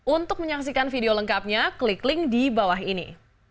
untuk menyaksikan video lengkapnya klik link di bawah ini